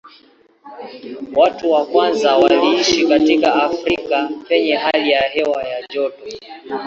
Watu wa kwanza waliishi katika Afrika penye hali ya hewa ya joto.